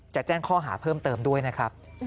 จะแจ้งข้อหาเพิ่มเติมด้วยนะครับ